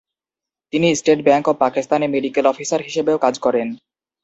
তিনি state bank of পাকিস্তানে medical officer হিসেবেও কাজ করেন।